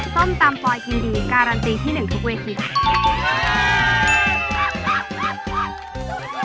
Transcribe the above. ส้มตำปลอยกินดีการันตีที่๑ทุกเวที